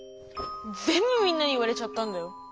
ぜんぶみんなに言われちゃったんだよ！